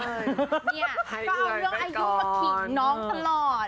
เนี่ยก็เอาเรื่องอายุมาขิงน้องตลอด